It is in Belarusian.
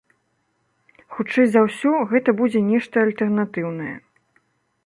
Хутчэй за ўсё, гэта будзе нешта альтэрнатыўнае.